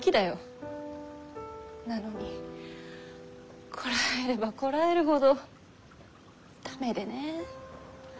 なのにこらえればこらえるほど駄目でね。